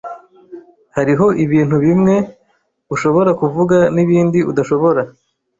Hariho ibintu bimwe ushobora kuvuga nibindi udashobora.